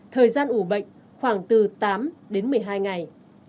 thời gian ủ bệnh khoảng từ tám đến một mươi hai ngày